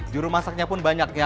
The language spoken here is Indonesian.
juru masaknya pun banyak ya